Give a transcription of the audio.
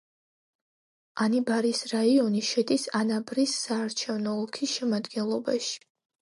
ანიბარის რაიონი შედის ანაბარის საარჩევნო ოლქის შემადგენლობაში.